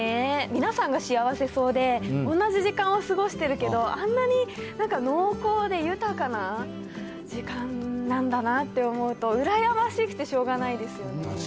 皆さんが幸せそうで、同じ時間を過ごしてるけど、あんなになんか濃厚で豊かな時間なんだなって思うと、羨ましくて確かに。